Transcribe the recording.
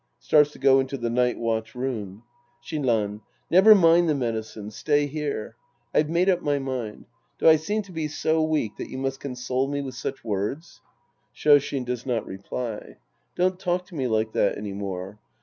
(Starts to go into the night watch room!) Shinran. Never mind the medicine. Stay here. I've made up my mind. Do I seem to be so weak t.iat you must console me with such words ? (Sh5 SHiN does not reply.) Don't talk to me like that any more.